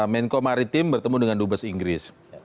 menko maritim bertemu dengan dubes inggris